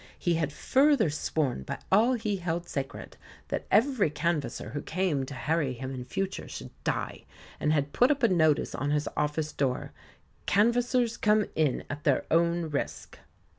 He had further sworn by all he held sacred that every canvasser who came to harry him in future should die, and had put up a notice on his office door, "Canvassers come in at their own risk."